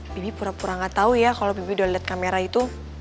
bibi pura pura nggak tahu ya kalau bibi udah lihat kamera itu